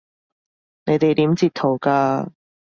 你哋點截圖㗎？